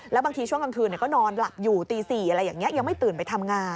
แล้วบางทีช่วงกลางคืนก็นอนหลับอยู่ตี๔อะไรอย่างนี้ยังไม่ตื่นไปทำงาน